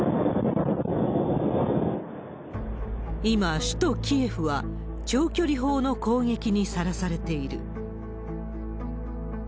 今、首都キエフは長距離砲の攻撃にさらされている。